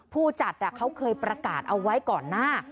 ผู้จัดเขาเคยประกาศเอาไว้ก่อนหน้า